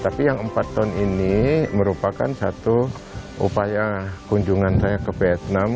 tapi yang empat ton ini merupakan satu upaya kunjungan saya ke vietnam